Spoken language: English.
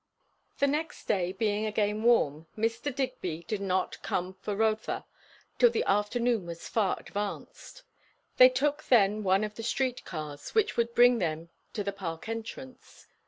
The next day being again warm, Mr. Digby did not come for Rotha till the afternoon was far advanced. They took then one of the street cars, which would bring them to the Park entrance.